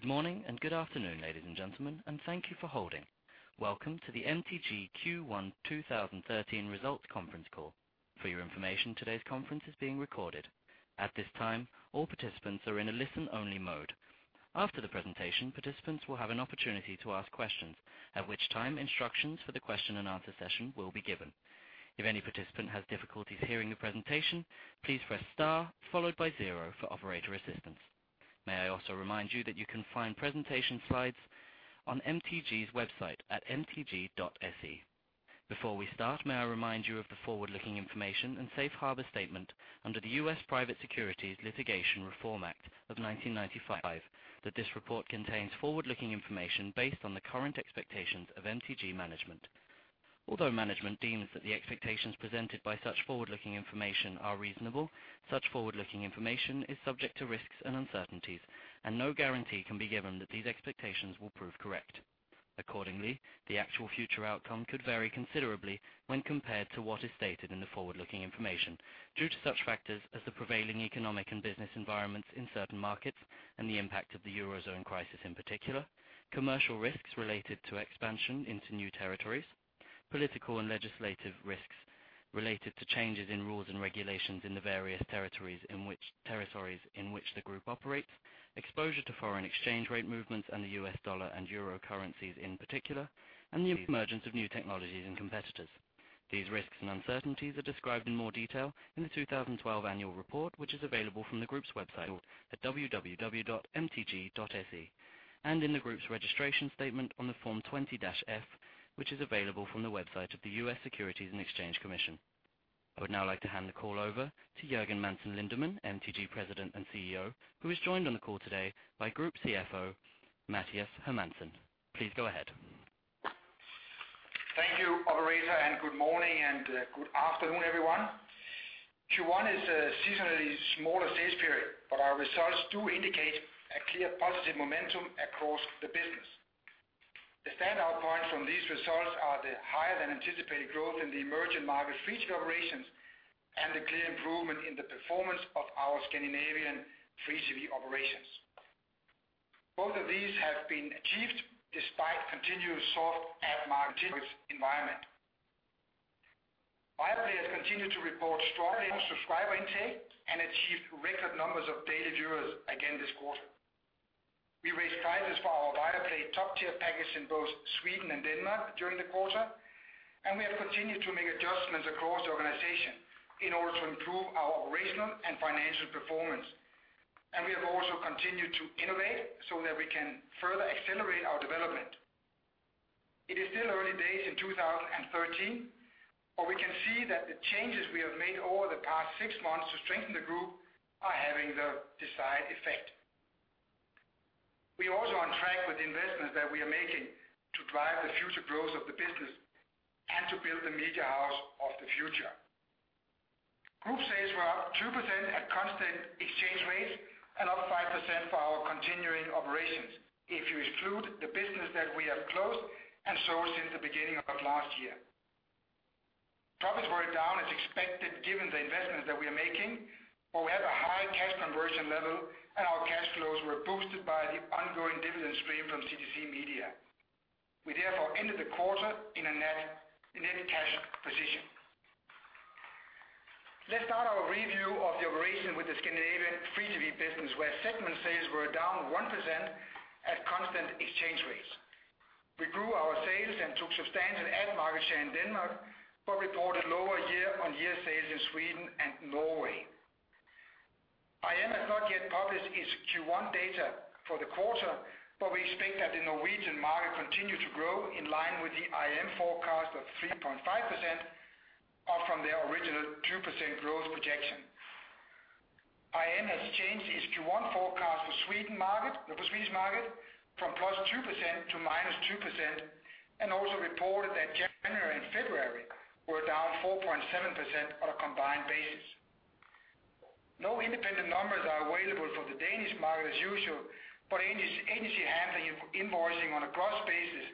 Good morning and good afternoon, ladies and gentlemen, and thank you for holding. Welcome to the MTG Q1 2013 results conference call. For your information, today's conference is being recorded. At this time, all participants are in a listen-only mode. After the presentation, participants will have an opportunity to ask questions, at which time instructions for the question and answer session will be given. If any participant has difficulties hearing the presentation, please press star followed by zero for operator assistance. May I also remind you that you can find presentation slides on MTG's website at mtg.se. Before we start, may I remind you of the forward-looking information and safe harbor statement under the U.S. Private Securities Litigation Reform Act of 1995, that this report contains forward-looking information based on the current expectations of MTG management. Although management deems that the expectations presented by such forward-looking information are reasonable, such forward-looking information is subject to risks and uncertainties, and no guarantee can be given that these expectations will prove correct. Accordingly, the actual future outcome could vary considerably when compared to what is stated in the forward-looking information due to such factors as the prevailing economic and business environments in certain markets and the impact of the Eurozone crisis in particular, commercial risks related to expansion into new territories, political and legislative risks related to changes in rules and regulations in the various territories in which the group operates, exposure to foreign exchange rate movements and the U.S. dollar and euro currencies in particular, and the emergence of new technologies and competitors. These risks and uncertainties are described in more detail in the 2012 annual report, which is available from the group's website at www.mtg.se, and in the group's registration statement on the Form 20-F, which is available from the website of the U.S. Securities and Exchange Commission. I would now like to hand the call over to Jørgen Madsen Lindemann, MTG President and CEO, who is joined on the call today by Group CFO, Mathias Hermansson. Please go ahead. Thank you, operator, and good morning and good afternoon, everyone. Q1 is a seasonally smaller sales period, but our results do indicate a clear positive momentum across the business. The standout points from these results are the higher than anticipated growth in the emerging market free TV operations and the clear improvement in the performance of our Scandinavian free TV operations. Both of these have been achieved despite continuous soft ad market environment. Viaplay has continued to report strong subscriber intake and achieved record numbers of daily viewers again this quarter. We raised prices for our Viaplay top-tier package in both Sweden and Denmark during the quarter, and we have continued to make adjustments across the organization in order to improve our operational and financial performance. We have also continued to innovate so that we can further accelerate our development. It is still early days in 2013, but we can see that the changes we have made over the past six months to strengthen the group are having the desired effect. We are also on track with the investments that we are making to drive the future growth of the business and to build the media house of the future. Group sales were up 2% at constant exchange rates and up 5% for our continuing operations if you exclude the business that we have closed and sold since the beginning of last year. Profits were down as expected, given the investments that we are making, but we have a high cash conversion level, and our cash flows were boosted by the ongoing dividend stream from CTC Media. We therefore ended the quarter in a net cash position. Let's start our review of the operation with the Scandinavian free TV business, where segment sales were down 1% at constant exchange rates. We grew our sales and took substantial ad market share in Denmark, but reported lower year-on-year sales in Sweden and Norway. IRM has not yet published its Q1 data for the quarter, but we expect that the Norwegian market continued to grow in line with the IRM forecast of 3.5%, up from their original 2% growth projection. IRM has changed its Q1 forecast for the Swedish market from plus 2% to minus 2% and also reported that January and February were down 4.7% on a combined basis. No independent numbers are available for the Danish market as usual, but agency handling invoicing on a gross basis,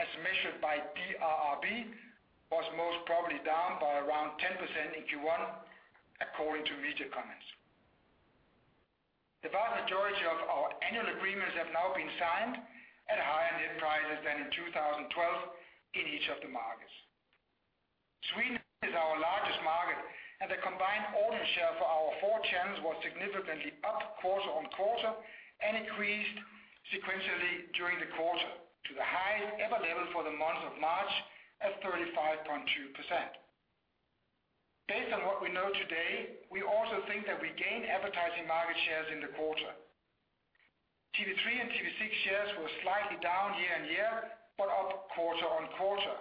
as measured by DRB, was most probably down by around 10% in Q1, according to media comments. The vast majority of our annual agreements have now been signed at higher net prices than in 2012 in each of the markets. Sweden is our largest market, and the combined audience share for our four channels was significantly up quarter-on-quarter and increased sequentially during the quarter to the highest ever level for the month of March at 35.2%. Based on what we know today, we also think that we gained advertising market shares in the quarter. TV3 and TV6 shares were slightly down year-on-year, but up quarter-on-quarter,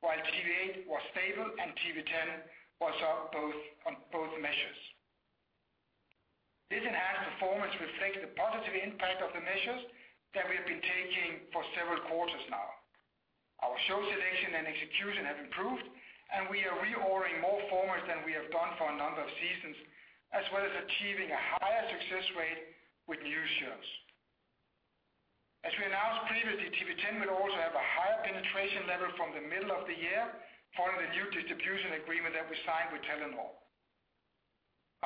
while TV8 was stable and TV10 was up on both measures. This enhanced performance reflects the positive impact of the measures that we have been taking for several quarters now. Our show selection and execution have improved, and we are reordering more formats than we have done for a number of seasons, as well as achieving a higher success rate with new shows. Additionally, TV10 will also have a higher penetration level from the middle of the year following the new distribution agreement that we signed with Telenor.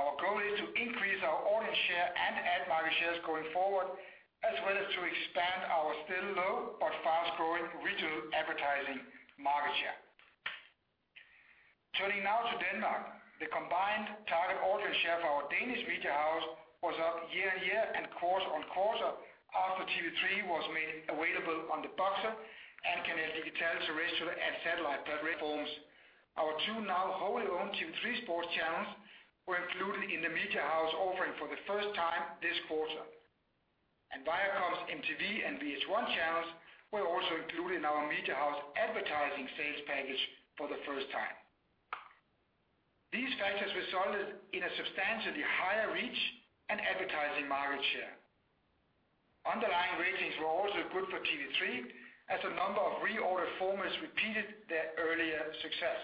Our goal is to increase our audience share and ad market shares going forward, as well as to expand our still low, but fast-growing regional advertising market share. Turning now to Denmark, the combined target audience share for our Danish media house was up year-on-year and quarter-on-quarter after TV3 was made available on the Boxer and Canal Digital terrestrial and satellite platforms. Our two now wholly owned TV3 Sport channels were included in the media house offering for the first time this quarter. Viacom's MTV and VH1 channels were also included in our media house advertising sales package for the first time. These factors resulted in a substantially higher reach and advertising market share. Underlying ratings were also good for TV3 as a number of reordered formats repeated their earlier success.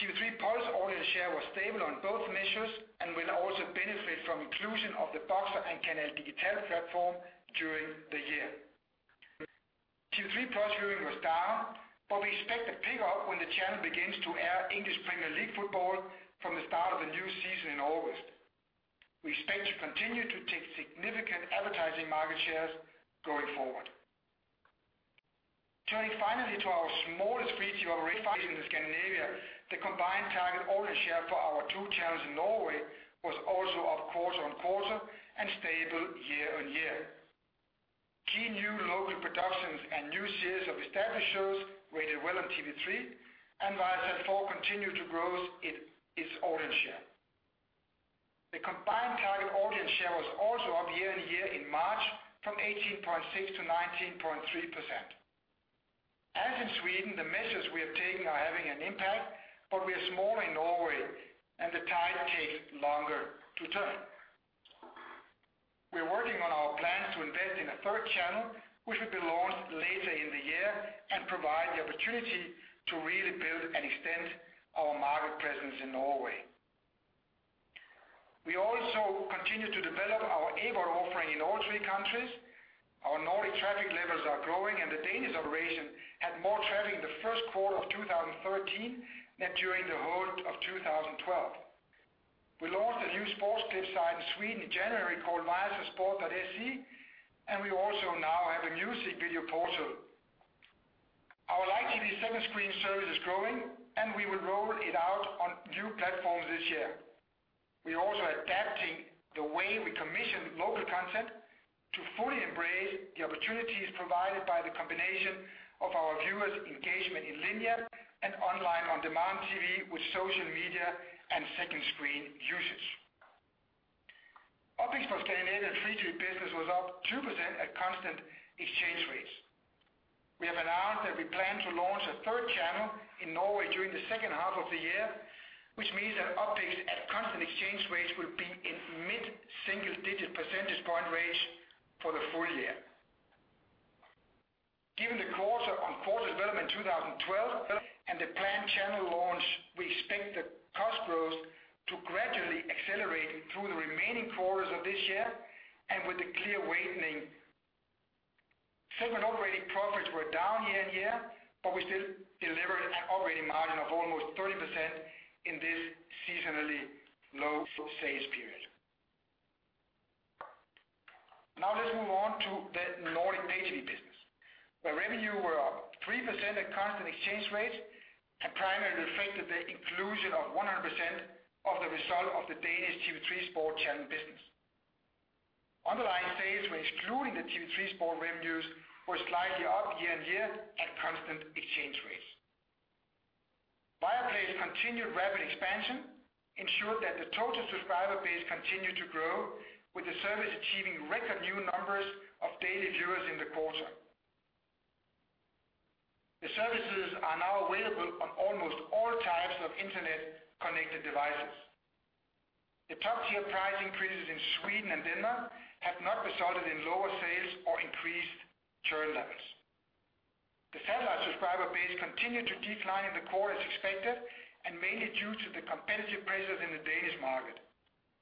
TV3+ audience share was stable on both measures and will also benefit from inclusion of the Boxer and Canal Digital platform during the year. TV3+ viewing was down, but we expect a pickup when the channel begins to air English Premier League football from the start of the new season in August. We expect to continue to take significant advertising market shares going forward. Turning finally to our smallest free-to-air operation in Scandinavia, the combined target audience share for our two channels in Norway was also up quarter-on-quarter and stable year-on-year. Key new local productions and new series of established shows rated well on TV3 and Viasat 4 continued to grow its audience share. The combined target audience share was also up year-on-year in March from 18.6%-19.3%. As in Sweden, the measures we have taken are having an impact, but we are small in Norway and the tide takes longer to turn. We are working on our plans to invest in a third channel, which will be launched later in the year and provide the opportunity to really build and extend our market presence in Norway. We also continue to develop our AVOD offering in all three countries. Our Nordic traffic levels are growing and the Danish operation had more traffic in the first quarter of 2013 than during the whole of 2012. We launched a new sports clip site in Sweden in January called viasatsport.se and we also now have a music video portal. Our live TV second screen service is growing and we will roll it out on new platforms this year. We are also adapting the way we commission local content to fully embrace the opportunities provided by the combination of our viewers' engagement in linear and online on-demand TV with social media and second screen usage. OpEx for Scandinavia free TV business was up 2% at constant exchange rates. We have announced that we plan to launch a third channel in Norway during the second half of the year, which means that OpEx at constant exchange rates will be in mid-single digit percentage point range for the full year. Given the quarter-on-quarter development in 2012 and the planned channel launch, we expect the cost growth to gradually accelerate through the remaining quarters of this year and with a clear weightening. Segment operating profits were down year-on-year, but we still delivered an operating margin of almost 30% in this seasonally low sales period. Now let's move on to the Nordic pay-TV business, where revenue were up 3% at constant exchange rates and primarily reflected the inclusion of 100% of the result of the Danish TV3 Sport channel business. Underlying sales were excluding the TV3 Sport revenues were slightly up year-on-year at constant exchange rates. Viaplay's continued rapid expansion ensured that the total subscriber base continued to grow with the service achieving record new numbers of daily viewers in the quarter. The services are now available on almost all types of internet connected devices. The top-tier price increases in Sweden and Denmark have not resulted in lower sales or increased churn levels. The satellite subscriber base continued to decline in the quarter as expected and mainly due to the competitive pressures in the Danish market.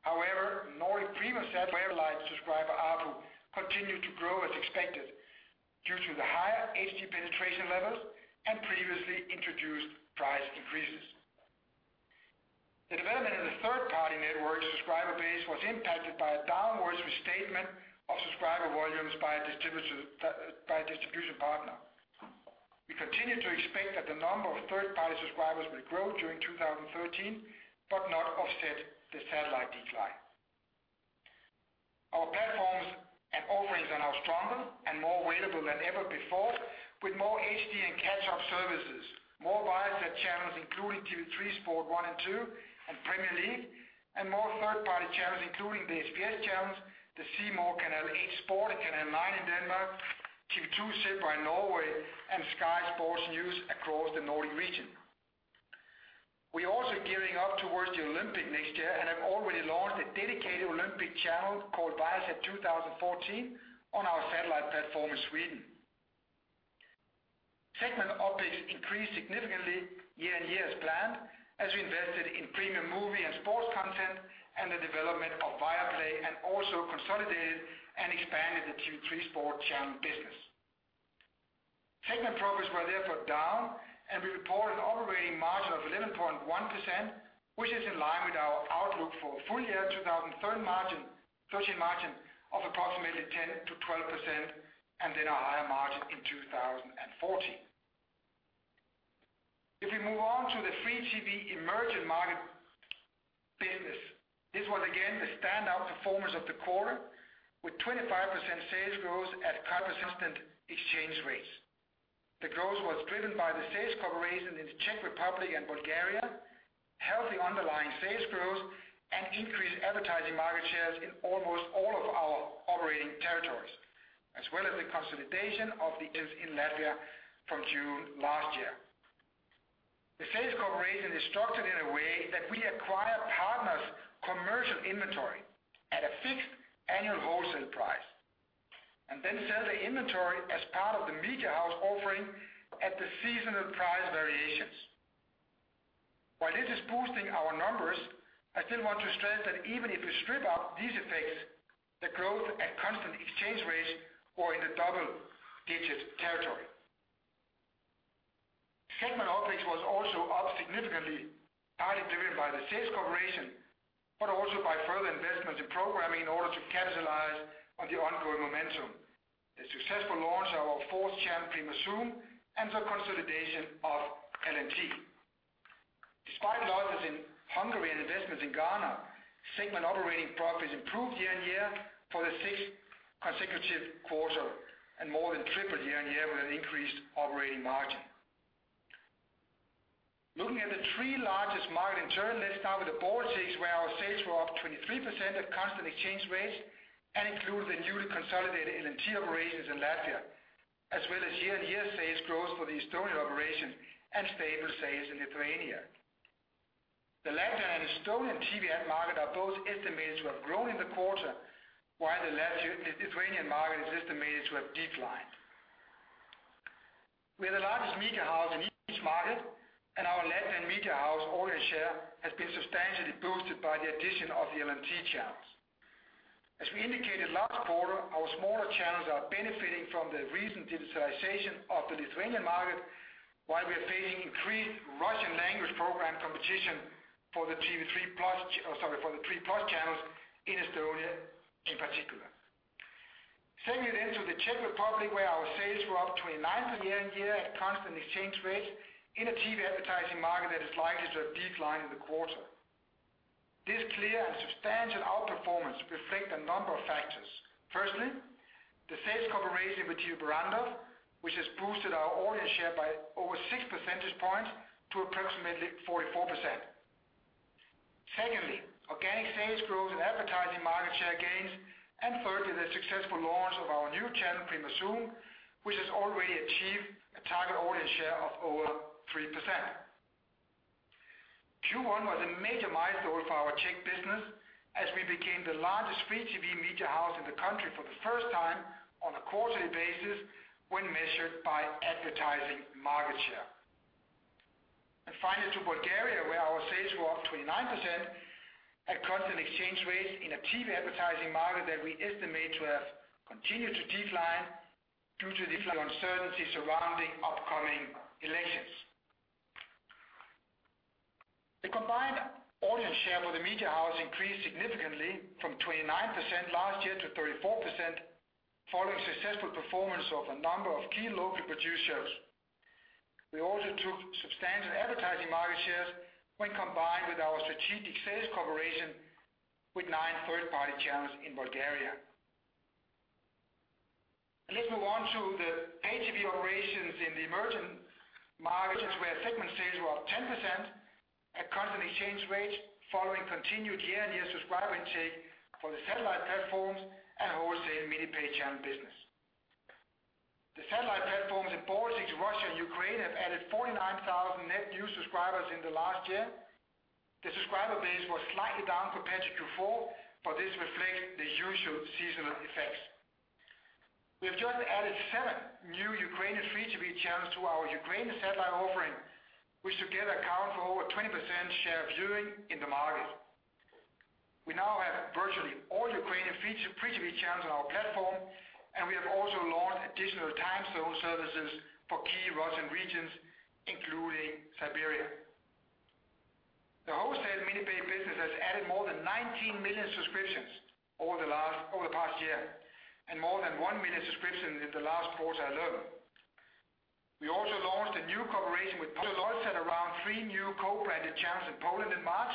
However, Nordic premium satellite subscriber ARPU continued to grow as expected due to the higher HD penetration levels and previously introduced price increases. The development in the third-party network subscriber base was impacted by a downwards restatement of subscriber volumes by a distribution partner. We continue to expect that the number of third-party subscribers will grow during 2013, but not offset the satellite decline. Our platforms and offerings are now stronger and more available than ever before with more HD and catch-up services, more Viasat channels, including TV3 Sport 1 and 2 and Premier League, and more third-party channels, including the SBS channels, C More, Canal 8 Sport, and Canal 9 in Denmark, TV2 Zebra in Norway, and Sky Sports News across the Nordic region. We are also gearing up towards the Olympics next year and have already launched a dedicated Olympic channel called Viasat 2014 on our satellite platforms. Segment OpEx increased significantly year-on-year as planned, as we invested in premium movie and sports content and the development of Viaplay, and also consolidated and expanded the TV3 sport channel business. Segment profits were down, and we report an operating margin of 11.1%, which is in line with our outlook for full year 2013 margin of approximately 10%-12%, and a higher margin in 2014. We move on to the free TV emerging market business. This was again the standout performance of the quarter, with 25% sales growth at constant exchange rates. The growth was driven by the sales cooperation in the Czech Republic and Bulgaria, healthy underlying sales growth, and increased advertising market shares in almost all of our operating territories, as well as the consolidation of the gains in Latvia from June last year. The sales cooperation is structured in a way that we acquire partners' commercial inventory at a fixed annual wholesale price, and sell the inventory as part of the media house offering at the seasonal price variations. This is boosting our numbers, I still want to stress that even if we strip out these effects, the growth at constant exchange rates are in the double-digit territory. Segment OpEx was also up significantly, partly driven by the sales cooperation, but also by further investments in programming in order to capitalize on the ongoing momentum. The successful launch of our fourth channel, Prima ZOOM, and the consolidation of LNT. Despite losses in Hungary and investments in Ghana, segment operating profits improved year-on-year for the sixth consecutive quarter and more than tripled year-on-year with an increased operating margin. Looking at the three largest market in turn, let us start with the Baltics, where our sales were up 23% at constant exchange rates and include the newly consolidated LNT operations in Latvia, as well as year-on-year sales growth for the Estonian operation and stable sales in Lithuania. The Latvian and Estonian TV ad market are both estimated to have grown in the quarter, while the Lithuanian market is estimated to have declined. We are the largest media house in each market, and our Latvian media house audience share has been substantially boosted by the addition of the LNT channels. As we indicated last quarter, our smaller channels are benefiting from the recent digitization of the Lithuanian market, while we are facing increased Russian language program competition for the TV3+ channels in Estonia in particular. Turning it into the Czech Republic where our sales were up 29% year-on-year at constant exchange rates in a TV advertising market that is likely to have declined in the quarter. This clear and substantial outperformance reflect a number of factors. Firstly, the sales cooperation with Barrandov, which has boosted our audience share by over 6 percentage points to approximately 44%. Secondly, organic sales growth and advertising market share gains, thirdly, the successful launch of our new channel, Prima ZOOM, which has already achieved a target audience share of over 3%. Q1 was a major milestone for our Czech business as we became the largest free TV media house in the country for the first time on a quarterly basis when measured by advertising market share. Finally, to Bulgaria, where our sales were up 29% at constant exchange rates in a TV advertising market that we estimate to have continued to decline due to the uncertainty surrounding upcoming elections. The combined audience share for the media house increased significantly from 29% last year to 34%, following successful performance of a number of key local producers. We also took substantial advertising market shares when combined with our strategic sales cooperation with 9 third-party channels in Bulgaria. Let's move on to the pay TV operations in the emerging markets where segment sales were up 10% at constant exchange rates following continued year-on-year subscriber intake for the satellite platforms and wholesale mini pay channel business. The satellite platforms in Baltics, Russia, and Ukraine have added 49,000 net new subscribers in the last year. The subscriber base was slightly down compared to Q4, but this reflects the usual seasonal effects. We have just added 7 new Ukrainian free TV channels to our Ukrainian satellite offering, which together account for over 20% share of viewing in the market. We now have virtually all Ukrainian free TV channels on our platform, and we have also launched additional time zone services for key Russian regions, including Siberia. The wholesale mini pay business has added more than 19 million subscriptions over the past year and more than 1 million subscriptions in the last quarter alone. We also launched a new cooperation with Polsat around 3 new co-branded channels in Poland in March,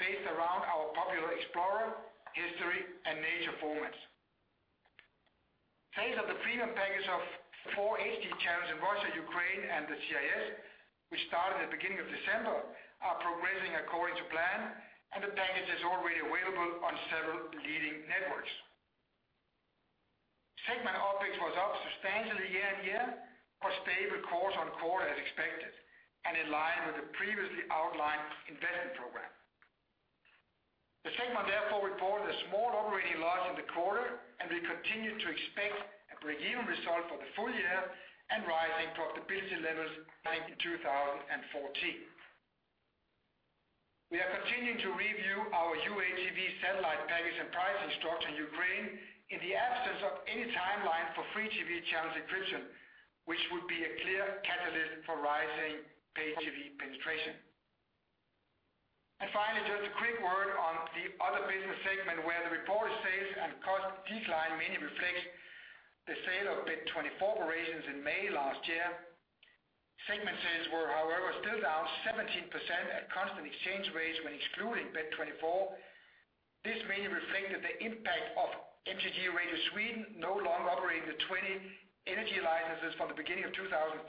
based around our popular Viasat Explorer, Viasat History, and Viasat Nature formats. Sales of the premium package of 4 HD channels in Russia, Ukraine, and the CIS, which started at the beginning of December, are progressing according to plan, and the package is already available on several leading networks. Segment OpEx was up substantially year-on-year, while stable quarter-on-quarter as expected, and in line with the previously outlined investment program. Segment therefore reported a small operating loss in the quarter, and we continue to expect a breakeven result for the full year and rising profitability levels in 2014. We are continuing to review our Viasat satellite package and pricing structure in Ukraine in the absence of any timeline for free TV channel encryption, which would be a clear catalyst for rising pay TV penetration. Finally, just a quick word on the other business segment where the reported sales and cost decline mainly reflects the sale of Bet24 operations in May last year. Segment sales were, however, still down 17% at constant exchange rates when excluding Bet24. This mainly reflected the impact of MTG Radio Sweden no longer operating the NRJ licenses from the beginning of 2013.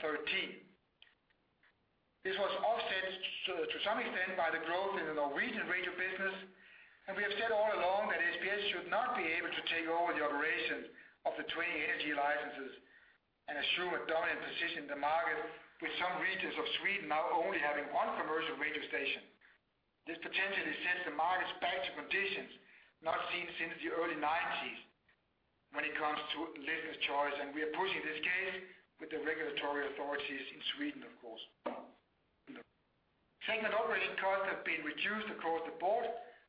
This was offset to some extent by the growth in the Norwegian radio business, and we have said all along that SBS should not be able to take over the operation of the NRJ licenses and assume a dominant position in the market, with some regions of Sweden now only having one commercial radio station. This potentially sets the markets back to conditions not seen since the early '90s when it comes to listeners' choice, and we are pushing this case with the regulatory authorities in Sweden, of course. Segment operating costs have been reduced across the board,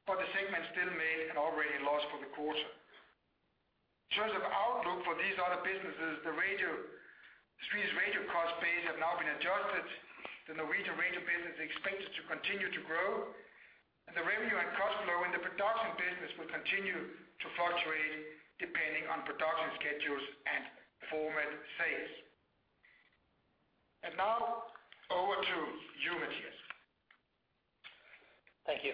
but the segment still made an operating loss for the quarter. In terms of outlook for these other businesses, the Swedish radio cost base have now been adjusted. The Norwegian radio business is expected to continue to grow, and the revenue and cost flow in the production business will continue to fluctuate depending on production schedules and format sales. Now over to you, Mathias. Thank you.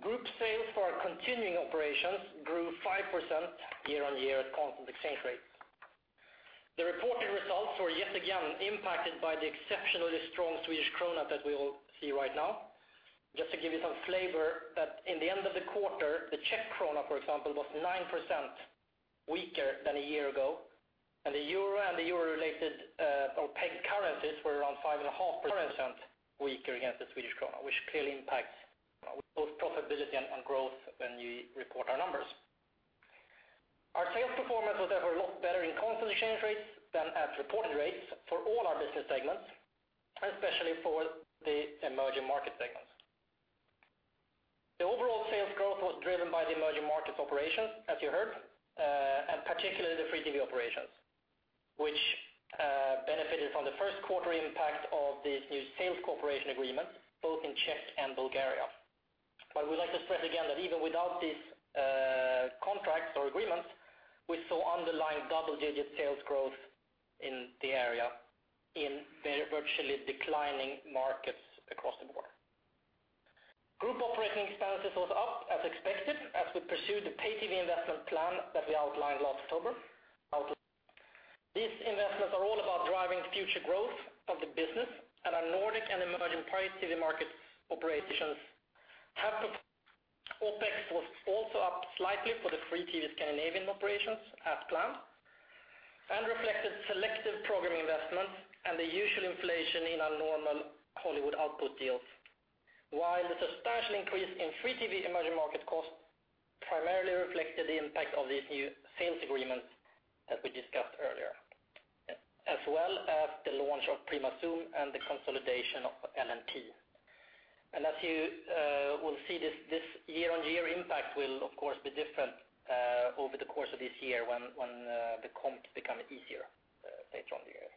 Group sales for our continuing operations grew 5% year-on-year at constant exchange rates. The reported results were yet again impacted by the exceptionally strong Swedish krona that we all see right now. To give you some flavor that in the end of the quarter, the Czech krona, for example, was 9% weaker than a year ago, and the euro and the euro-related or pegged currencies were around 5.5% weaker against the Swedish krona, which clearly impacts both profitability and growth when we report our numbers. Our sales performance was therefore a lot better in constant exchange rates than at reported rates for all our business segments, and especially for the emerging market segments. The overall sales growth was driven by the emerging markets operations, as you heard, and particularly the free TV operations, which benefited from the first-quarter impact of these new sales cooperation agreements, both in Czech and Bulgaria. We would like to stress again that even without these contracts or agreements, we saw underlying double-digit sales growth in the area in virtually declining markets across the board. Group operating expenses was up as expected as we pursue the pay-TV investment plan that we outlined last October. These investments are all about driving future growth of the business and our Nordic and emerging pay TV market operations. OpEx was also up slightly for the free TV Scandinavian operations as planned, and reflected selective program investments and the usual inflation in our normal Hollywood output deals. While the substantial increase in free TV emerging market costs primarily reflected the impact of these new sales agreements as we discussed earlier, as well as the launch of Prima ZOOM and the consolidation of LNT. As you will see, this year-on-year impact will, of course, be different over the course of this year when the comps become easier later on in the year.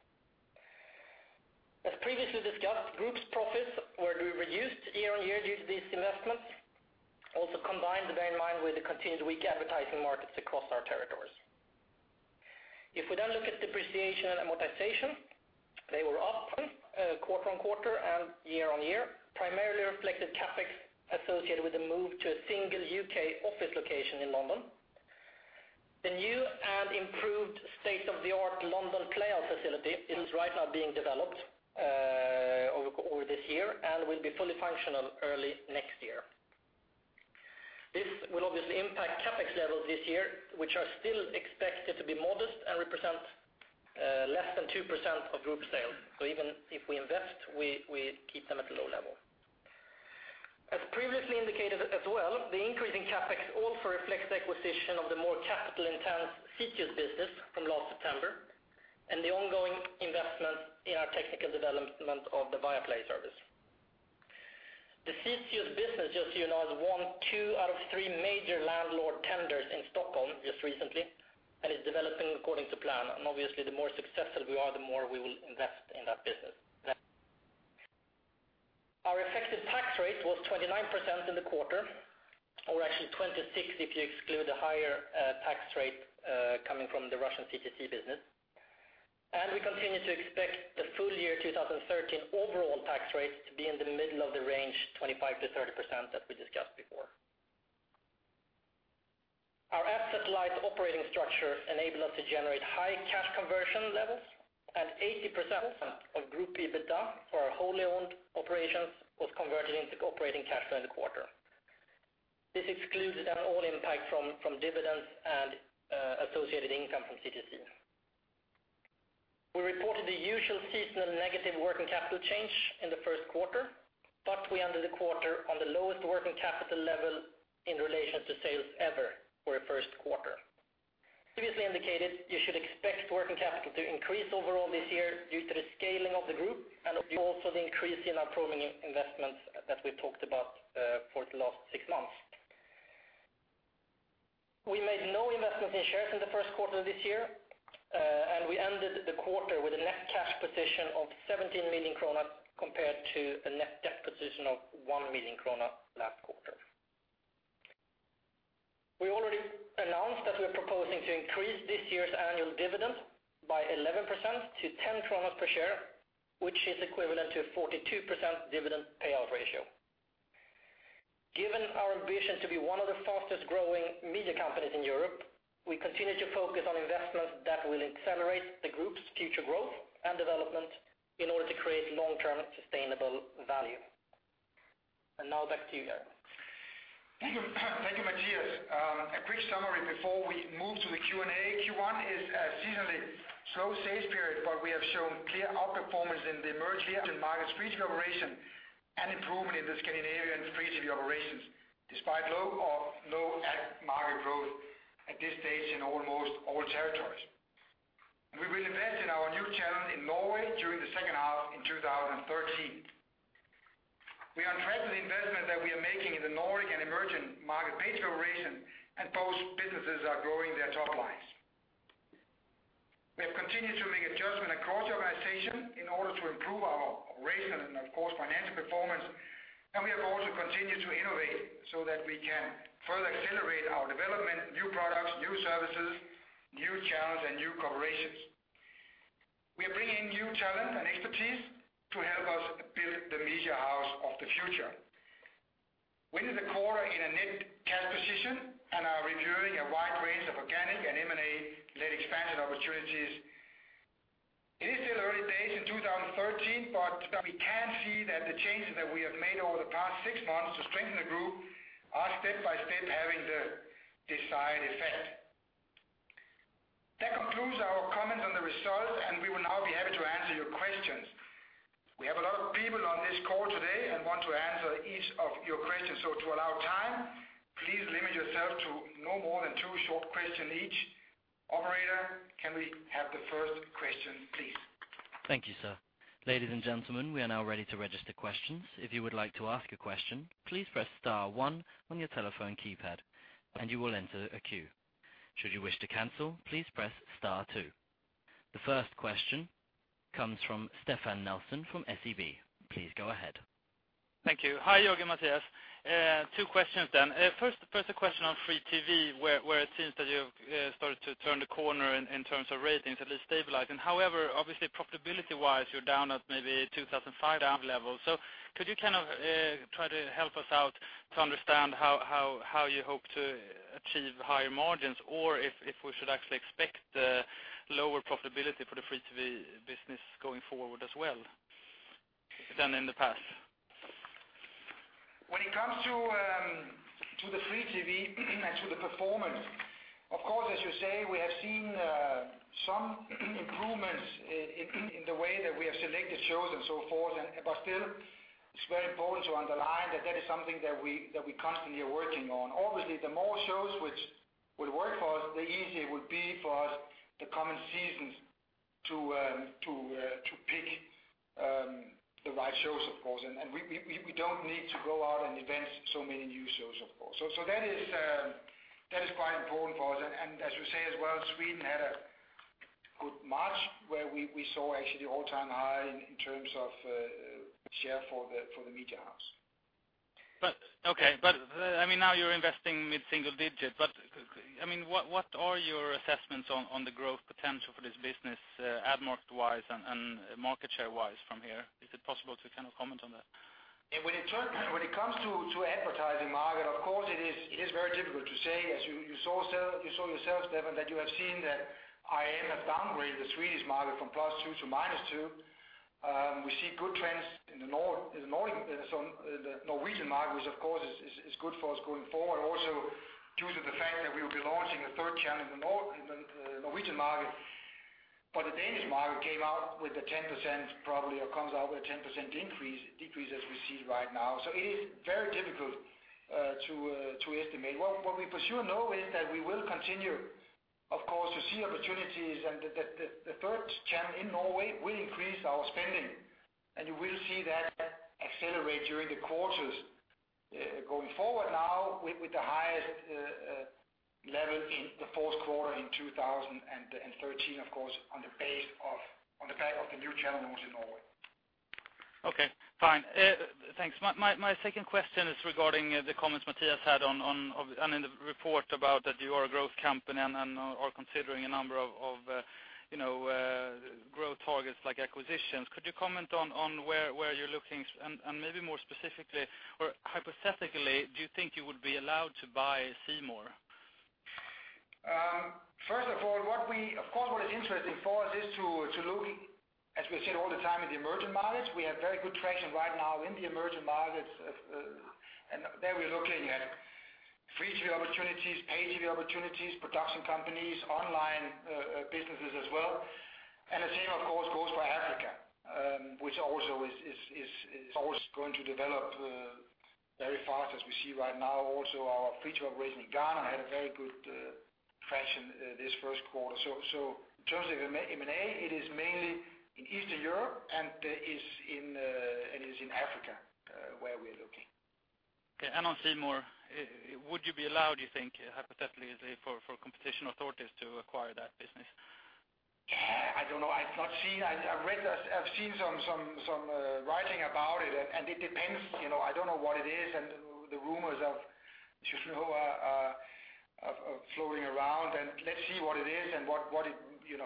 As previously discussed, group's profits were reduced year-on-year due to these investments, also combined, bear in mind, with the continued weak advertising markets across our territories. If we then look at depreciation and amortization, they were up quarter-on-quarter and year-on-year, primarily reflecting CapEx associated with the move to a single U.K. office location in London. The new and improved state-of-the-art London playout facility is right now being developed over this year and will be fully functional early next year. This will obviously impact CapEx levels this year, which are still expected to be modest and represent less than 2% of group sales. Even if we invest, we keep them at a low level. As previously indicated as well, the increase in CapEx all reflects the acquisition of the more capital-intense Cirkus business from last September and the ongoing investment in our technical development of the Viaplay service. The Cirkus business, just so you know, has won two out of three major landlord tenders in Stockholm just recently and is developing according to plan. Obviously, the more successful we are, the more we will invest in that business. Our effective tax rate was 29% in the quarter, or actually 26% if you exclude the higher tax rate coming from the Russian CTC business. We continue to expect the full-year 2013 overall tax rate to be in the middle of the range 25%-30% that we discussed before. Our asset-light operating structure enabled us to generate high cash conversion levels, and 80% of group EBITDA for our wholly owned operations was converted into operating cash flow in the quarter. This excludes all impact from dividends and associated income from CTC. We reported the usual seasonal negative working capital change in the first quarter, but we ended the quarter on the lowest working capital level in relation to sales ever for a first quarter. Previously indicated, you should expect working capital to increase overall this year due to the scaling of the group and also the increase in our programming investments that we've talked about for the last six months. We made no investments in shares in the first quarter of this year. We ended the quarter with a net cash position of 17 million krona compared to a net debt position of 1 million krona last quarter. We already announced that we're proposing to increase this year's annual dividend by 11% to 10 per share, which is equivalent to 42% dividend payout ratio. Given our ambition to be one of the fastest-growing media companies in Europe, we continue to focus on investments that will accelerate the group's future growth and development in order to create long-term sustainable value. Now back to you, Jørgen. Thank you, Mathias. A brief summary before we move to the Q&A. Q1 is a seasonally slow sales period. We have shown clear outperformance in the emerging markets free TV operation and improvement in the Scandinavian free TV operations, despite low ad market growth at this stage in almost all territories. We will invest in our new channel in Norway during the second half in 2013. We are impressed with the investment that we are making in the Nordic and emerging market pay TV operations. Both businesses are growing their top lines. We have continued to make adjustments across the organization in order to improve our operational and, of course, financial performance. We have also continued to innovate so that we can further accelerate our development, new products, new services, new channels, and new collaborations. We are bringing in new talent and expertise to help us build the media house of the future. We ended the quarter in a net cash position and are reviewing a wide range of organic and M&A-led expansion opportunities. It is still early days in 2013. We can see that the changes that we have made over the past six months to strengthen the group are step by step having the desired effect. That concludes our comments on the results. We will now be happy to answer your questions. We have a lot of people on this call today and want to answer each of your questions. To allow time, please limit yourself to no more than two short questions each. Operator, can we have the first question, please? Thank you, sir. Ladies and gentlemen, we are now ready to register questions. If you would like to ask a question, please press star one on your telephone keypad and you will enter a queue. Should you wish to cancel, please press star two. The first question comes from Stefan Nelander from SEB. Please go ahead. Thank you. Hi, Jørgen and Mathias. Two questions. First a question on free TV, where it seems that you've started to turn the corner in terms of ratings, at least stabilizing. However, obviously, profitability-wise, you're down at maybe 2005 down level. Could you kind of try to help us out to understand how you hope to achieve higher margins? Or if we should actually expect lower profitability for the free-to-air business going forward as well than in the past? When it comes to the free TV and to the performance, of course, as you say, we have seen some improvements in the way that we have selected shows and so forth. Still, it's very important to underline that that is something that we constantly are working on. Obviously, the more shows which will work for us, the easier it will be for us the coming seasons to pick the right shows, of course. We don't need to go out and invest in so many new shows, of course. That is quite important for us. As you say as well, Sweden had a good March, where we saw actually all-time high in terms of share for the media house. Okay. Now you're investing mid-single digit. What are your assessments on the growth potential for this business ad market-wise and market share-wise from here? Is it possible to kind of comment on that? When it comes to advertising market, of course it is very difficult to say. As you saw yourself, Stefan, that you have seen that IRM have downgraded the Swedish market from +2% to -2%. We see good trends in the Norwegian market, which of course is good for us going forward, also due to the fact that we'll be launching a third channel in the Norwegian market. The Danish market came out with a 10%, probably, or comes out with a 10% decrease as we see right now. It is very difficult to estimate. What we pursue now is that we will continue, of course, to see opportunities, the third channel in Norway will increase our spending. You will see that accelerate during the quarters going forward now with the highest level in the fourth quarter in 2013, of course, on the back of the new channel launch in Norway. Okay, fine. Thanks. My second question is regarding the comments Mathias had in the report about that you are a growth company and are considering a number of growth targets like acquisitions. Could you comment on where you're looking and maybe more specifically or hypothetically, do you think you would be allowed to buy C More? First of all, of course, what is interesting for us is to look As we've said all the time in the emerging markets, we have very good traction right now in the emerging markets. There we're looking at free TV opportunities, pay TV opportunities, production companies, online businesses as well. The same, of course, goes for Africa, which also is going to develop very fast as we see right now. Also, our free operation in Ghana had a very good traction this first quarter. In terms of M&A, it is mainly in Eastern Europe and it is in Africa where we're looking. Okay, on C More, would you be allowed, do you think, hypothetically, for competition authorities to acquire that business? I don't know. I've seen some writing about it. It depends. I don't know what it is. The rumors are flowing around. Let's see what it is and what they want to do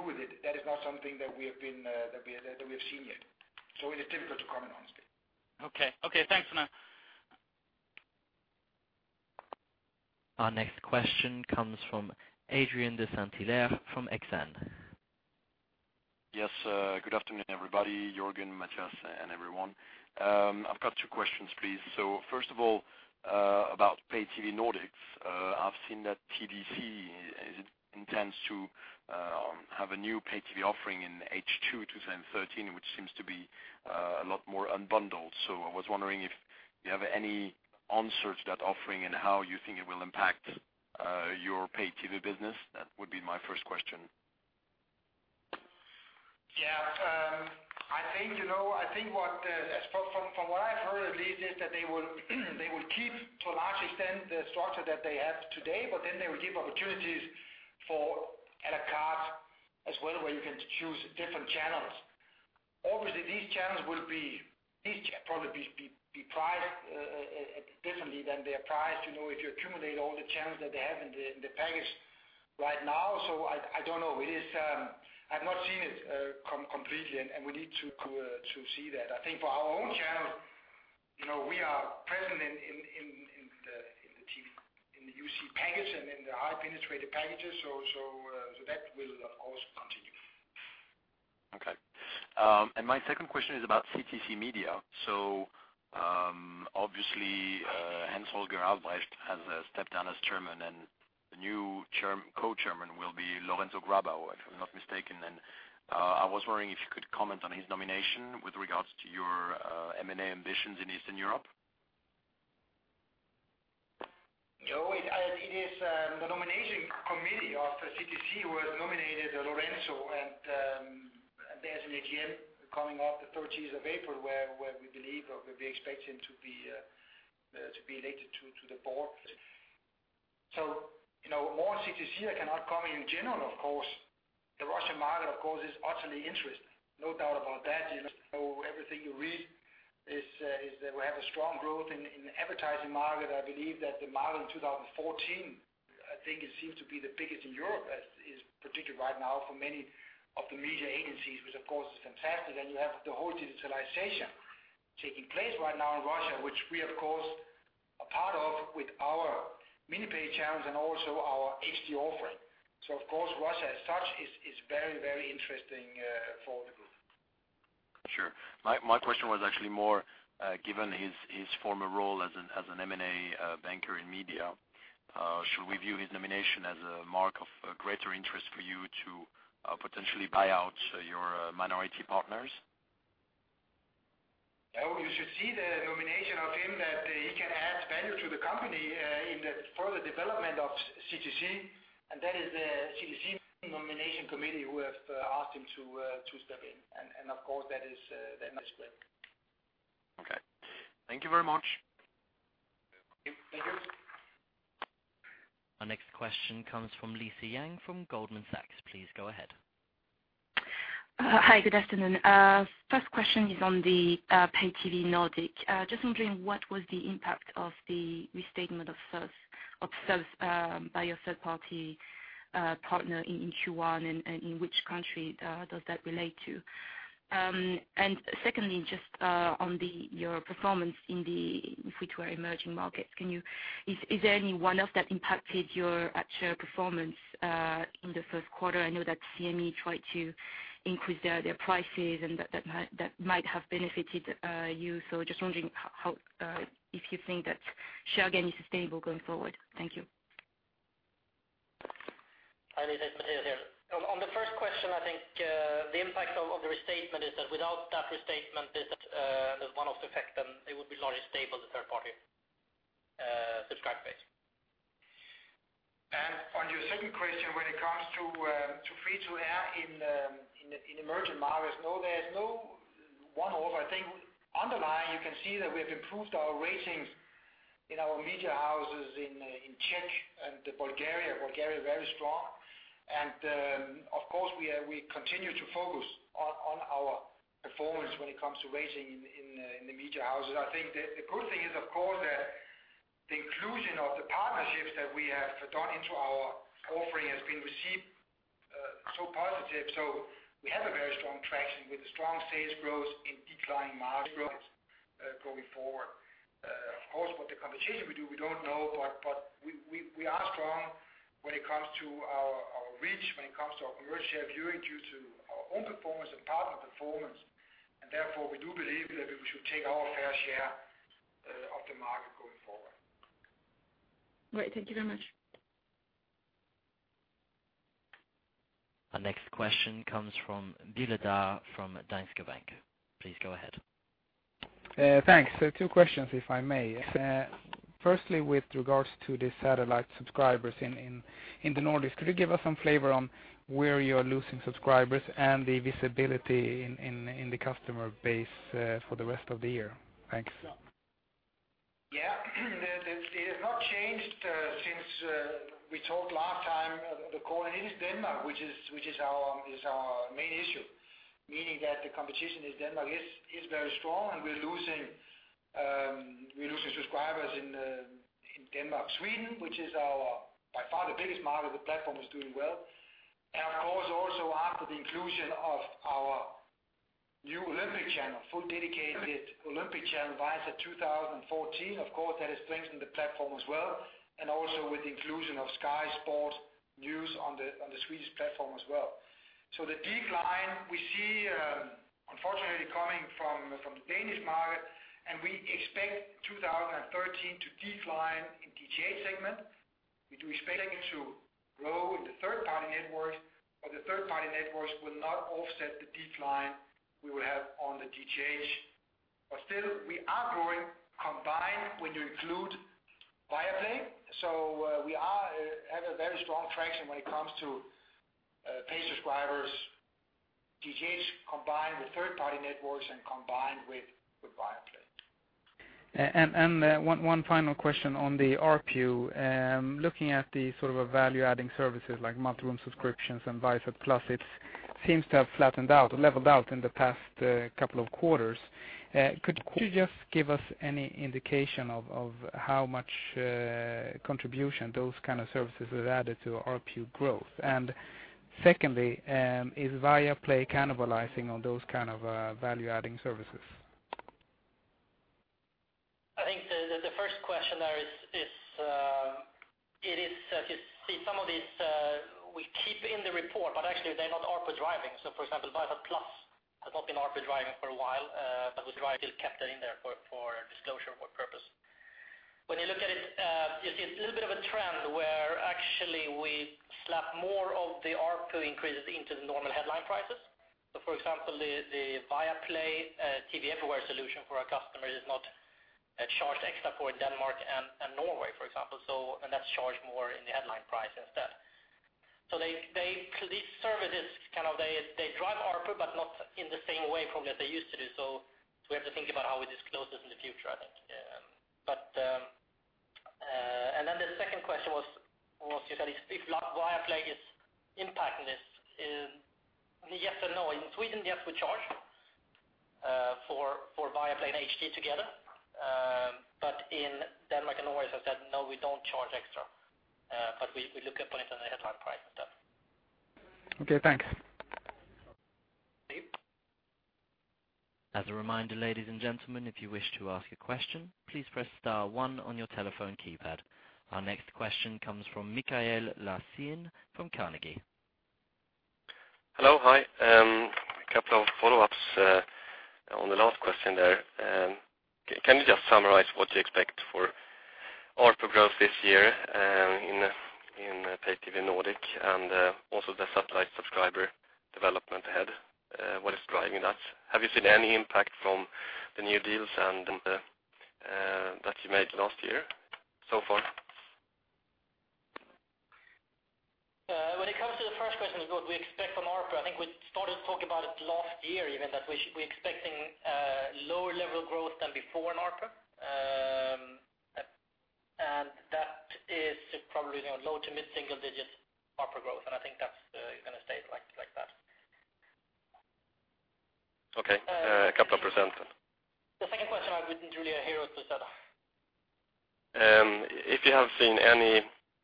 with it. That is not something that we have seen yet. It is difficult to comment on still. Okay. Thanks for now. Our next question comes from Adrien de Saint Hilaire from Exane. Yes, good afternoon, everybody. Jørgen, Mathias, and everyone. I've got two questions, please. First of all, about pay TV Nordics. I've seen that TDC intends to have a new pay TV offering in H2 2013, which seems to be a lot more unbundled. I was wondering if you have any answers to that offering and how you think it will impact your pay TV business. That would be my first question. From what I've heard, at least, is that they will keep, to a large extent, the structure that they have today, they will give opportunities for a la carte as well, where you can choose different channels. These channels will probably be priced differently than they are priced if you accumulate all the channels that they have in the package right now. I don't know. I've not seen it completely, we need to see that. I think for our own channel, we are present in the YouSee package and in the high penetrative packages, that will of course continue. Okay. My second question is about CTC Media. Obviously, Hans-Holger Albrecht has stepped down as chairman, the new co-chairman will be Lorenzo Grabau, if I'm not mistaken. I was wondering if you could comment on his nomination with regards to your M&A ambitions in Eastern Europe. It is the nomination committee of the CTC who has nominated Lorenzo, there's an AGM coming up the 13th of April where we believe or we expect him to be elected to the board. On CTC, I cannot comment. In general, of course, the Russian market is utterly interesting. No doubt about that. Everything you read is that we have a strong growth in the advertising market. I believe that the market in 2014, I think it seems to be the biggest in Europe, as is predicted right now for many of the media agencies, which of course is fantastic. You have the whole digitalization taking place right now in Russia, which we, of course, are part of with our mini-pay channels and also our HD offering. Of course, Russia as such is very interesting for the group. Sure. My question was actually more given his former role as an M&A banker in media, should we view his nomination as a mark of greater interest for you to potentially buy out your minority partners? No, you should see the nomination of him that he can add value to the company in the further development of CTC, and that is the CTC nomination committee who have asked him to step in, and of course, that is their display. Okay. Thank you very much. Thank you. Our next question comes from Lisa Yang from Goldman Sachs. Please go ahead. Hi, good afternoon. First question is on the pay TV Nordic. Just wondering what was the impact of the restatement of sales by your third-party partner in Q1, and in which country does that relate to? Secondly, just on your performance in the free to air emerging markets. Is there any one of that impacted your actual performance in the first quarter? I know that CME tried to increase their prices and that might have benefited you. Just wondering if you think that share gain is sustainable going forward. Thank you. Hi, Lisa. Mathias here. On the first question, I think the impact of the restatement is that without that restatement is that one of the effect, and it would be largely stable, the third-party subscriber base. On your second question, when it comes to free to air in emerging markets, no, there is no one offer. I think underlying, you can see that we have improved our ratings in our media houses in Czech and Bulgaria. Bulgaria is very strong. Of course, we continue to focus on our performance when it comes to rating in the media houses. I think the good thing is, of course, that the inclusion of the partnerships that we have done into our offering has been received so positive. We have a very strong traction with a strong sales growth in declining market growth going forward. Of course, what the competition will do, we don't know, but we are strong when it comes to our reach, when it comes to our commercial viewing due to our own performance and partner performance, and therefore, we do believe that we should take our fair share of the market going forward. Great. Thank you very much. Our next question comes from [Bilada] from Danske Bank. Please go ahead. Thanks. Two questions, if I may. Firstly, with regards to the satellite subscribers in the Nordics, could you give us some flavor on where you're losing subscribers and the visibility in the customer base for the rest of the year? Thanks. Yeah. It has not changed since we talked last time, the call. It is Denmark, which is our main issue, meaning that the competition in Denmark is very strong, and we're losing subscribers in Denmark. Sweden, which is our, by far, the biggest market. The platform is doing well. And of course, also after the inclusion of our new Olympic channel, full dedicated Olympic channel, Viasat 2014. Of course, that has strengthened the platform as well, and also with the inclusion of Sky Sports News on the Swedish platform as well. The decline we see, unfortunately, coming from the Danish market, and we expect 2013 to decline in DTH segment. We do expect segment to grow in the third-party networks, but the third-party networks will not offset the decline we will have on the DTH. Still, we are growing combined when you include Viaplay. We have a very strong traction when it comes to paid subscribers, DTH combined with third-party networks and combined with Viaplay. One final question on the ARPU. Looking at the value-adding services like multi-room subscriptions and Viasat+, it seems to have flattened out or leveled out in the past couple of quarters. Could you just give us any indication of how much contribution those kind of services have added to ARPU growth? Secondly, is Viaplay cannibalizing on those kind of value-adding services? You see some of these we keep in the report, but actually they're not ARPU driving. For example, Viasat+ has not been ARPU driving for a while. That was why we still kept that in there for disclosure purpose. When you look at it, you see a little bit of a trend where actually we slap more of the ARPU increases into the normal headline prices. For example, the Viaplay TV Everywhere solution for our customer is not charged extra for in Denmark and Norway, for example. That's charged more in the headline price instead. These services kind of drive ARPU, but not in the same way probably as they used to do. We have to think about how we disclose this in the future, I think. The second question was, you said, if Viaplay is impacting this. Yes and no. In Sweden, yes, we charge for Viaplay and HD together. In Denmark and Norway, as I said, no, we don't charge extra. We look at putting it in the headline price and stuff. Okay, thanks. Steve? As a reminder, ladies and gentlemen, if you wish to ask a question, please press star one on your telephone keypad. Our next question comes from Mikael Larsen from Carnegie. Hello. Hi. A couple of follow-ups on the last question there. Can you just summarize what you expect for ARPU growth this year in pay TV Nordic and also the satellite subscriber development ahead? What is driving that? Have you seen any impact from the new deals that you made last year so far? When it comes to the first question of what we expect from ARPU, I think we started to talk about it last year, even that we're expecting a lower level of growth than before in ARPU. That is probably going to low to mid-single digits ARPU growth, and I think that's going to stay like that. Okay. A couple of percent then. The second question, I didn't really hear it so sorry. If you have seen any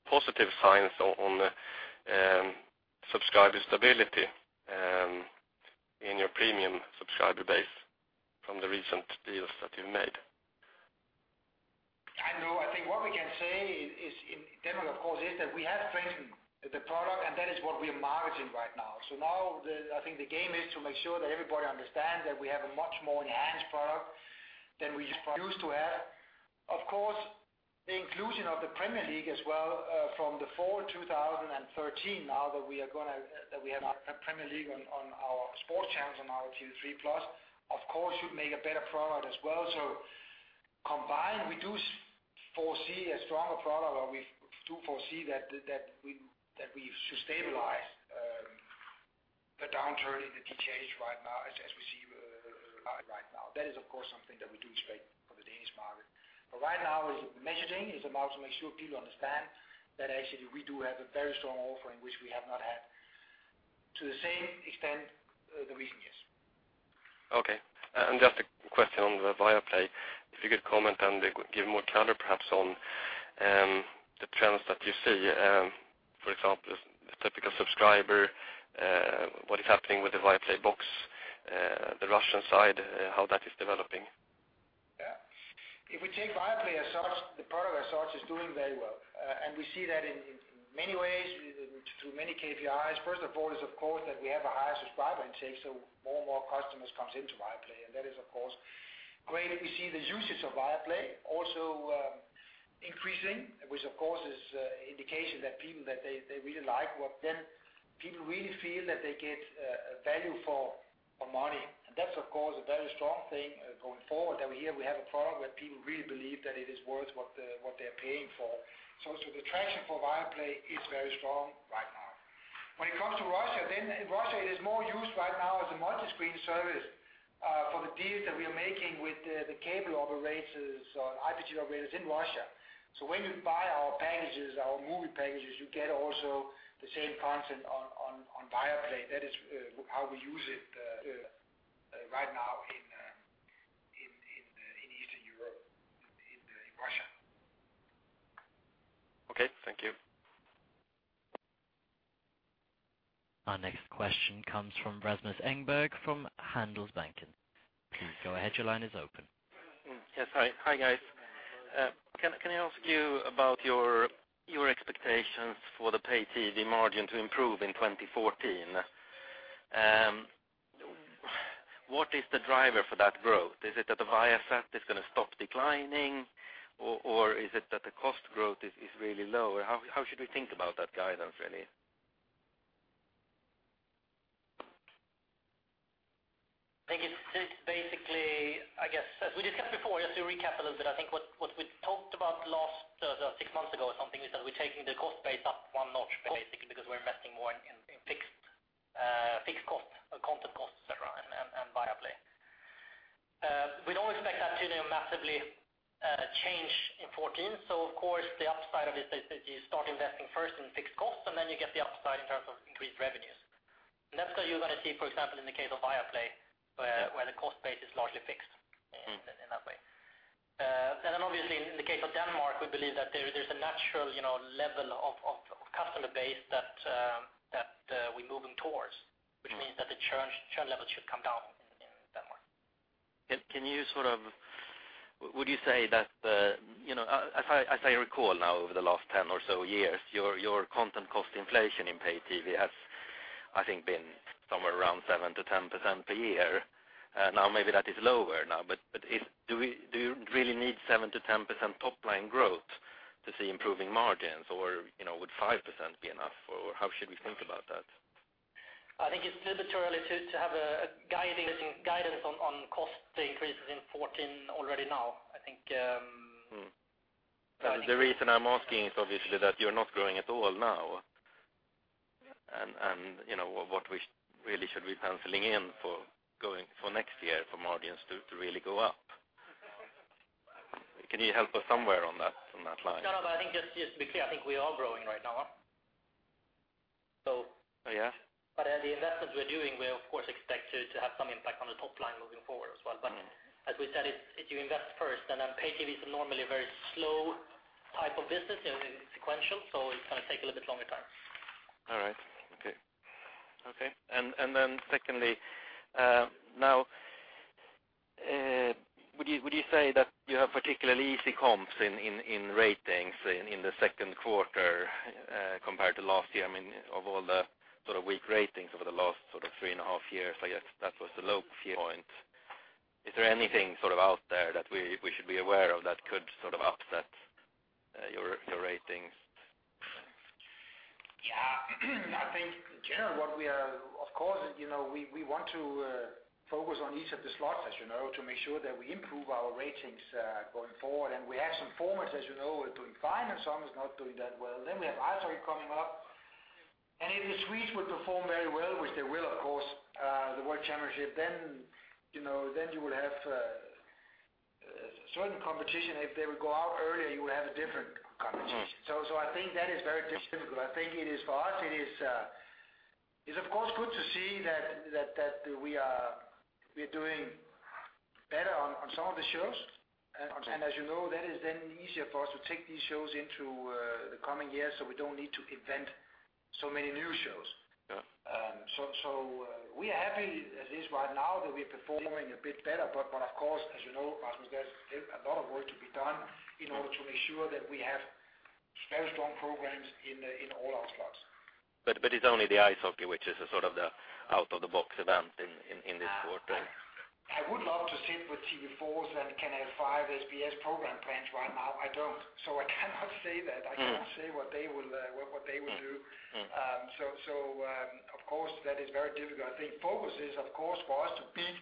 positive signs on subscriber stability in your premium subscriber base from the recent deals that you've made? I know. I think what we can say is in Denmark, of course, is that we have strengthened the product, and that is what we are marketing right now. Now I think the game is to make sure that everybody understands that we have a much more enhanced product than we used to have. Of course, the inclusion of the Premier League as well from the fall 2013, now that we have the Premier League on our sports channels on our TV3+, of course, should make a better product as well. Combined, we do foresee a stronger product, or we do foresee that we've stabilized the downturn in the DTH right now as we see right now. That is, of course, something that we do expect for the Danish market. Right now, the messaging is about to make sure people understand that actually we do have a very strong offering, which we have not had to the same extent the recent years. Just a question on the Viaplay. If you could comment and give more color perhaps on the trends that you see. For example, the typical subscriber, what is happening with the Viaplay box, the Russian side, how that is developing. If we take Viaplay as such, the product as such is doing very well. We see that in many ways through many KPIs. First of all is, of course, that we have a higher subscriber intake, more and more customers comes into Viaplay. That is, of course, great. We see the usage of Viaplay also increasing, which of course is indication that people really like what people really feel that they get value for money. That's, of course, a very strong thing going forward, that we have a product that people really believe that it is worth what they're paying for. The traction for Viaplay is very strong right now. When it comes to Russia, in Russia it is more used right now as a multi-screen service for the deals that we are making with the cable operators or IPTV operators in Russia. When you buy our packages, our movie packages, you get also the same content on Viaplay. That is how we use it right now in Eastern Europe, in Russia. Okay. Thank you. Our next question comes from Rasmus Engberg from Handelsbanken. Please go ahead, your line is open. Yes. Hi, guys. Can I ask you about your expectations for the pay TV margin to improve in 2014? What is the driver for that growth? Is it that the Viasat is going to stop declining, or is it that the cost growth is really low? Or how should we think about that guidance, really? I think it's basically, I guess, as we discussed before, just to recap a little bit, I think what we talked about six months ago or something, we said we're taking the cost base up one notch basically because we're investing more in fixed cost, content cost, et cetera, and Viaplay. We don't expect that to massively change in 2014. Of course, the upside of it is that you start investing first in fixed cost and then you get the upside in terms of increased revenues. That's where you're going to see, for example, in the case of Viaplay where the cost base is largely fixed in that way. Then obviously, in the case of Denmark, we believe that there's a natural level of customer base that we're moving towards, which means that the churn level should come down in Denmark. Would you say? As I recall now over the last 10 or so years, your content cost inflation in pay TV has, I think, been somewhere around 7%-10% per year. Now maybe that is lower now, but do you really need 7%-10% top line growth to see improving margins? Would 5% be enough? How should we think about that? I think it's still a bit too early to have a guidance on cost increases in 2014 already now. The reason I'm asking is obviously that you're not growing at all now. What we really should be penciling in for next year for margins to really go up. Can you help us somewhere on that line? No, I think just to be clear, I think we are growing right now. Oh, yeah? The investments we're doing will of course expect to have some impact on the top line moving forward as well. As we said, you invest first and then pay TV is normally a very slow type of business, sequential. It's going to take a little bit longer time. All right. Okay. Secondly, now would you say that you have particularly easy comps in ratings in the second quarter compared to last year? I mean, of all the weak ratings over the last three and a half years, I guess that was the low point. Is there anything out there that we should be aware of that could upset your ratings? Yeah. I think in general, of course, we want to focus on each of the slots, as you know, to make sure that we improve our ratings going forward. We have some formats as you know, are doing fine and some is not doing that well. We have ice hockey coming up. If the Swedes would perform very well, which they will of course, the World Championship, then you will have certain competition. If they would go out early, you would have a different competition. I think that is very difficult. I think for us it is of course good to see that we are doing better on some of the shows. As you know, that is then easier for us to take these shows into the coming year, so we don't need to invent so many new shows. Yeah. We are happy at least right now that we are performing a bit better. Of course, as you know, Rasmus, there's a lot of work to be done in order to make sure that we have very strong programs in all our slots. It's only the ice hockey which is the out of the box event in this quarter. I would love to sit with TV4's and Kanal 5 SBS program plans right now. I don't. I cannot say that. I cannot say what they will do. Of course, that is very difficult. I think focus is, of course, for us to pick,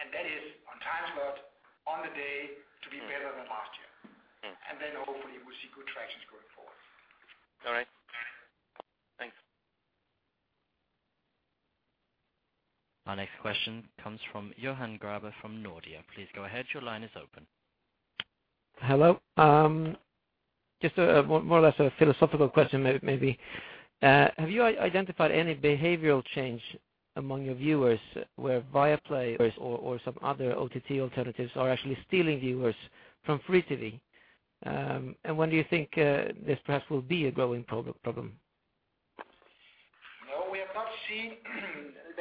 and that is on time slot on the day to be better than last year. Hopefully we see good traction going forward. All right. Thanks. Our next question comes from Johan Grabe from Nordea. Please go ahead. Your line is open. Hello. Just more or less a philosophical question, maybe. Have you identified any behavioral change among your viewers where Viaplay or some other OTT alternatives are actually stealing viewers from free TV? When do you think this perhaps will be a growing problem? No, we have not seen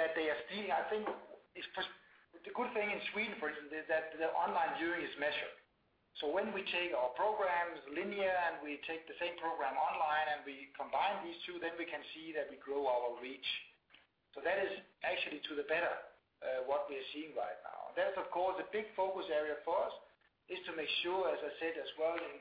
that they are stealing. I think the good thing in Sweden, for instance, is that the online viewing is measured. When we take our programs linear and we take the same program online and we combine these two, then we can see that we grow our reach. That is actually to the better, what we are seeing right now. That's, of course, a big focus area for us is to make sure, as I said as well in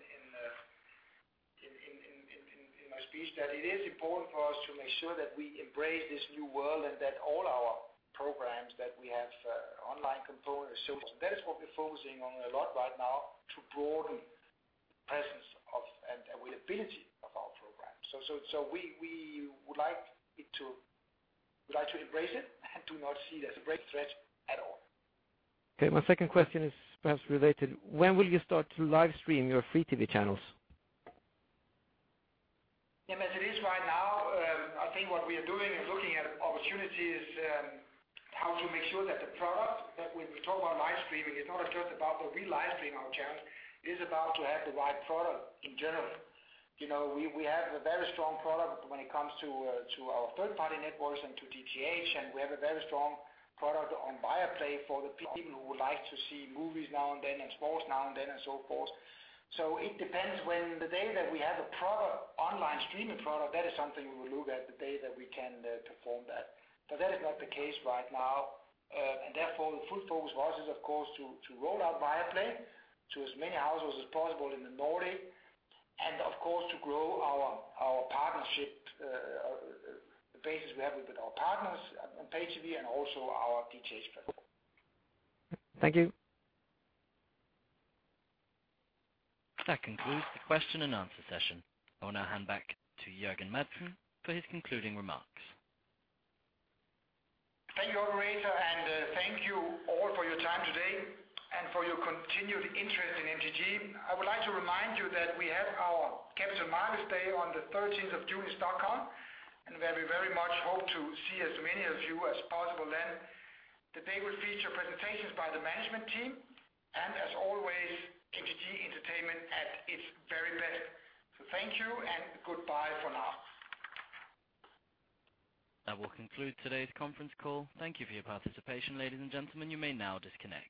my speech, that it is important for us to make sure that we embrace this new world and that all our programs, that we have online components. That is what we're focusing on a lot right now to broaden the presence of, and availability of our programs. We would like to embrace it and do not see it as a great threat at all. Okay. My second question is perhaps related. When will you start to live stream your free TV channels? As it is right now, I think what we are doing is looking at opportunities, how to make sure that the product that we talk about live streaming is not just about we live streaming our channels. It is about to have the right product in general. We have a very strong product when it comes to our third-party networks and to DTH, and we have a very strong product on Viaplay for the people who would like to see movies now and then and sports now and then and so forth. It depends when the day that we have a online streaming product, that is something we will look at the day that we can perform that. That is not the case right now. Therefore, the full focus for us is, of course, to roll out Viaplay to as many households as possible in the Nordic, and of course, to grow our partnership, the basis we have with our partners on pay TV and also our DTH platform. Thank you. That concludes the question and answer session. I will now hand back to Jørgen Madsen for his concluding remarks. Thank you, operator, thank you all for your time today and for your continued interest in MTG. I would like to remind you that we have our Capital Markets Day on the 13th of June in Stockholm, where we very much hope to see as many of you as possible then. The day will feature presentations by the management team and as always, MTG entertainment at its very best. Thank you and goodbye for now. That will conclude today's conference call. Thank you for your participation, ladies and gentlemen. You may now disconnect.